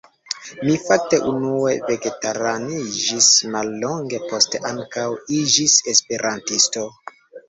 Mi fakte unue vegetaraniĝis, mallonge poste ankaŭ iĝis Esperantisto.